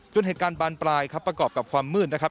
เหตุการณ์บานปลายครับประกอบกับความมืดนะครับ